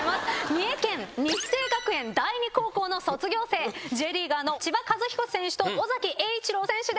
三重県日生学園第二高校の卒業生Ｊリーガーの千葉和彦選手と尾崎瑛一郎選手です。